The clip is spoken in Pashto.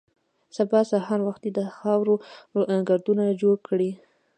سبا سهار وختي د خاورو ګردونه جوړ کړي.